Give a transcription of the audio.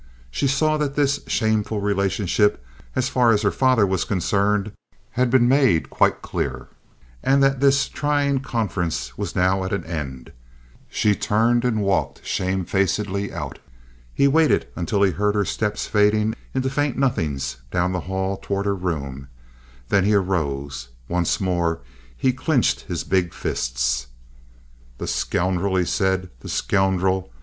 She saw that this shameful relationship, as far as her father was concerned, had been made quite clear, and that this trying conference was now at an end. She turned and walked shamefacedly out. He waited until he heard her steps fading into faint nothings down the hall toward her room. Then he arose. Once more he clinched his big fists. "The scoundrel!" he said. "The scoundrel!